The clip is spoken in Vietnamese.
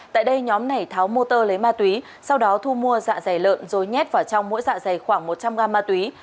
tại đây nhóm này tháo motor lấy ma túy sau đó thu mua dạ dày lợn rồi nhét vào trong mỗi dạ dày khoảng một trăm linh gram ma túy